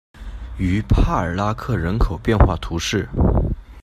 于帕尔拉克人口变化图示